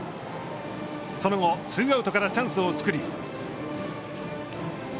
その後、ツーアウトからチャンスを作り